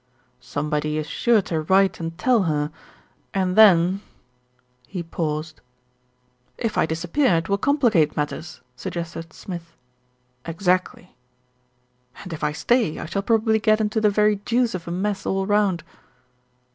"Somebody is sure to write and tell her, and then " he paused. "If I disappear it will complicate matters," sug gested Smith. "Exactly." "And if I stay I shall probably get into the very deuce of a mess all round."